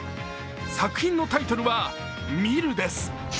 作品のタイトルは「未ル」です。